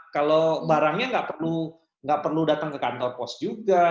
kalau barangnya nggak perlu datang ke kantor pos juga